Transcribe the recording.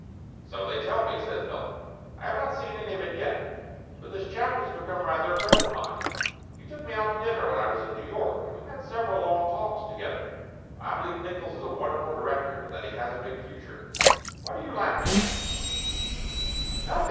"So they tell me," says Milt. "I have not seen any of it yet, but this chap has become rather a friend of mine. He took me out to dinner when I was in New York, and we had several long talks together. I be lieve Nickolls is a wonderful director and that he has a big future ! What are you laughing at ?" "Nothing!"